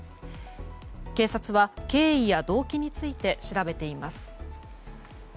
警察は、経緯や動機について調べています。